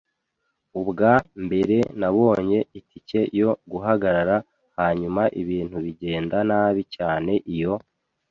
Ubwa mbere, nabonye itike yo guhagarara hanyuma ibintu bigenda nabi cyane iyo